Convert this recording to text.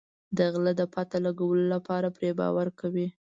د غله د پته لګولو لپاره پرې باور کوي.